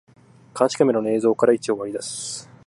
監視カメラの映像から位置を割り出す